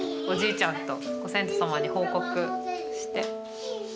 おじいちゃんとご先祖様に報告して。